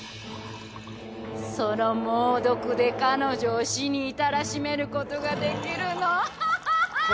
その猛毒で彼女を死に至らしめることができるの。